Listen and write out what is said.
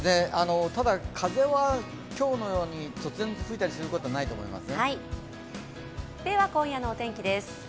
ただ風は今日のように突然吹いたりすることはないと思います。